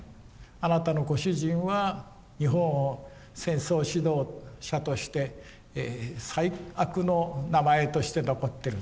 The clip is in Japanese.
あなたのご主人は日本を戦争指導者として最悪の名前として残っている。